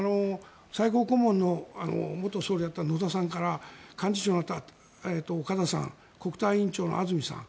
最高顧問の元総理だった野田さんから幹事長になった岡田さん国対委員長の安住さん。